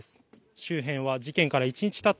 周辺は事件から１日たった